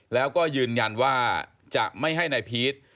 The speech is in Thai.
แล้วก็ยืนยันว่าจะไม่ให้นายพีช